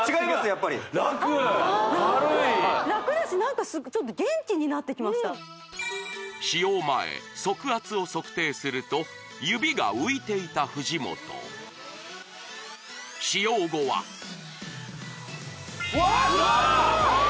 やっぱりラクだし何か元気になってきました使用前足圧を測定すると指が浮いていた藤本使用後はわっすごい！